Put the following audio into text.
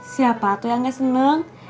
siapa tuh yang gak seneng